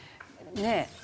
ねえ。